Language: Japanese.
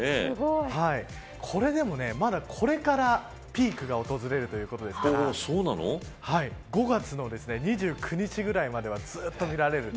これでも、まだこれからピークが訪れるということですから５月の２９日ぐらいまではずっと見られる。